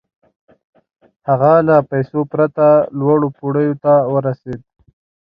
هغه له پيسو پرته لوړو پوړيو ته ورسېد.